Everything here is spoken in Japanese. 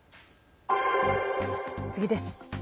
次です。